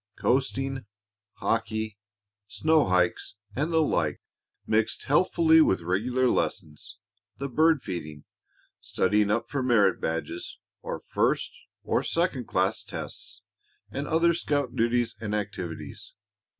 Coasting, hockey, snow hikes, and the like mixed healthfully with regular lessons, the bird feeding, studying up for merit badges or first or second class tests, and other scout duties and activities.